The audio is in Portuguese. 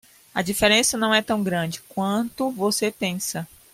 A diferença não é tão grande quanto você pensa.